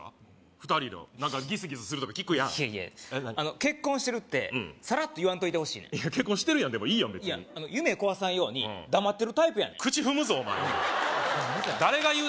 ２人の何かギスギスするとか聞くやん結婚してるってさらっと言わんといてほしいねん結婚してるやんいいやん別にいや夢壊さんように黙ってるタイプやねん口踏むぞお前すいません誰が言う